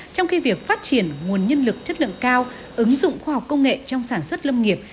trong khi việc phát triển nguồn nhân lực chất lượng cao ứng dụng khoa học công nghệ trong sản xuất lâm nghiệp